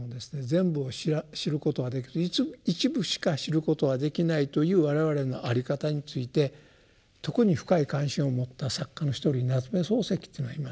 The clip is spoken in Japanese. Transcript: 全部を知ることは一部しか知ることはできないという我々のあり方について特に深い関心を持った作家の一人に夏目漱石というのがいますよ。